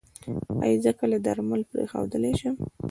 ایا زه کله درمل پریښودلی شم؟